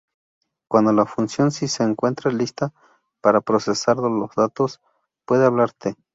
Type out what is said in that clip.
Cuando la función Si se encuentra lista para procesar los datos, puede hablar Te.